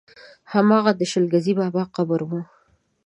هماغه د شل ګزي بابا قبر و.